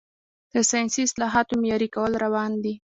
د ساینسي اصطلاحاتو معیاري کول روان دي.